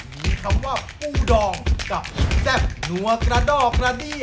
มีคำว่าปูดองกับแซ่บนัวกระดอกกระดี้